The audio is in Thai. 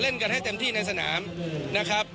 กันให้เต็มที่ในสนามนะครับ